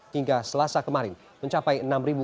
hingga selasa kemarin mencapai